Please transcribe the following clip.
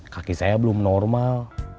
kaki saya belum normal